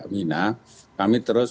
mina kami terus